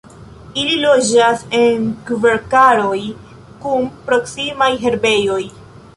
Ili loĝas en kverkaroj kun proksimaj herbejoj.